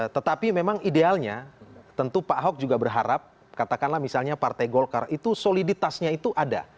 tetapi memang idealnya tentu pak ahok juga berharap katakanlah misalnya partai golkar itu soliditasnya itu ada